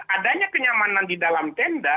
adanya kenyamanan di dalam tenda